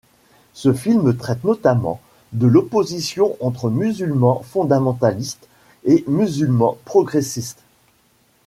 Ce film traite notamment de l'opposition entre Musulmans fondamentalistes et Musulmans progressistes.